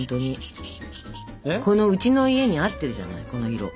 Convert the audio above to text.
このうちの家に合ってるじゃないこの色。